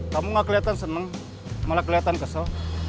kamu nggak kelihatan senang malah kelihatan kesel